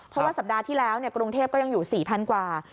เพราะว่าสัปดาห์ที่แล้วกรุงเทพก็ยังอยู่๔๐๐๐กว่า